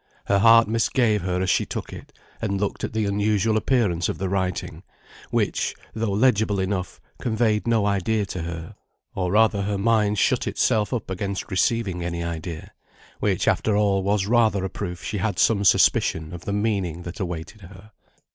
Her heart misgave her as she took it, and looked at the unusual appearance of the writing, which, though legible enough, conveyed no idea to her, or rather her mind shut itself up against receiving any idea, which after all was rather a proof she had some suspicion of the meaning that awaited her.